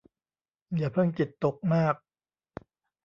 อย่าเพิ่งจิตตกมาก